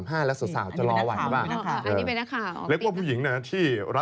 ใช่แล้วตอนนี้ก็คือผมเห็นรูปละ